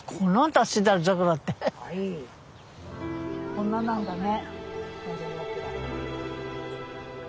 こんななんだね。